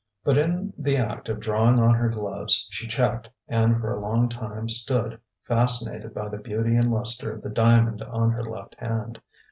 But in the act of drawing on her gloves, she checked, and for a long time stood fascinated by the beauty and lustre of the diamond on her left hand.